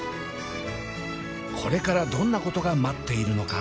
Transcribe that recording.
これからどんなことが待っているのか？